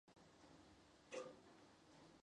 但仍与亚历山大大帝保持联系。